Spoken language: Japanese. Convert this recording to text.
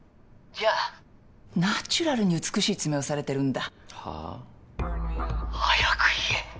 じゃあナチュラルに美しい爪をされてるんだ。